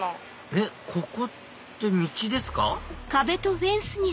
えっここって道ですか？